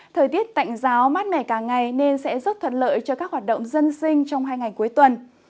thời tiết tạnh giáo mát mẻ cả ngày nên sẽ rất thuận lợi cho các hoạt động dân sinh trong hai ngày cuối tuần